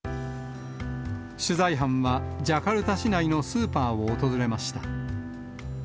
取材班は、ジャカルタ市内のスーパーを訪れました。